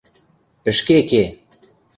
Ӹшке ке!